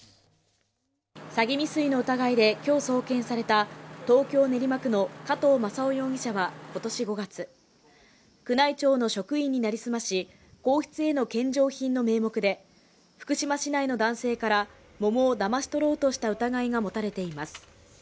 詐欺未遂の疑いで今日送検された東京・練馬区の加藤正夫容疑者は今年５月、宮内庁の職員に成り済まし、皇室への献上品の名目で福島市内の男性から桃をだまし取ろうとした疑いが持たれています。